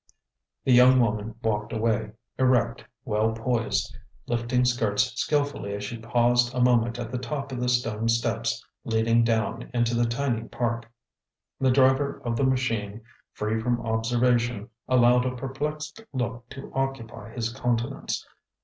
The young woman walked away, erect, well poised, lifting skirts skilfully as she paused a moment at the top of the stone steps leading down into the tiny park. The driver of the machine, free from observation, allowed a perplexed look to occupy his countenance.